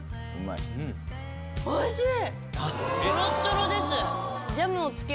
おいしい！